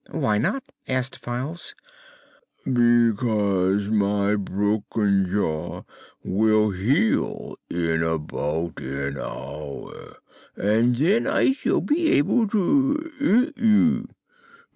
"Why not?" asked Files. "Because my broken jaw will heal in about an hour, and then I shall be able to eat you.